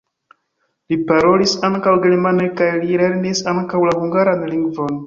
Li parolis ankaŭ germane kaj li lernis ankaŭ la hungaran lingvon.